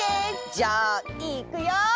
じゃあいくよ！